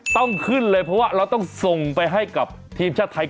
ต้องขึ้นเลยเพราะว่าเราต้องส่งไปให้กับทีมชาติไทย